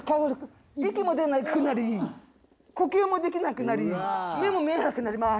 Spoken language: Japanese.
息も出なくなり呼吸もできなくなり目も見えなくなります。